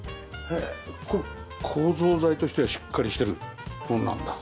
これ構造材としてはしっかりしてるもんなんだ。